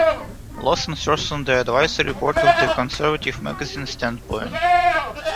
Lawson serves on the advisory board of the Conservative magazine "Standpoint".